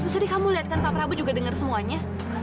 terus tadi kamu liat kan papa prabu juga dengar semuanya